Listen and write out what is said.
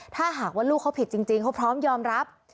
ถ้าหากว่าลูกเขาผิดจริงเขาพร้อมยอมรับ